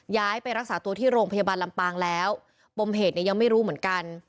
ย้ายไปรักษาตัวที่โรงพยาบาลลำปางแล้วปมเหตุเนี่ยยังไม่รู้เหมือนกัน